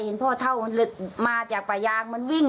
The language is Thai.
เห็นพ่อเท่ามันหลุดมาจากป่ายางมันวิ่ง